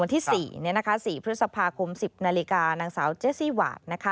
วันที่๔พฤษภาคม๑๐นนางสาวเจสซี่หวาด